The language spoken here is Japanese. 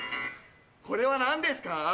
これは何ですか？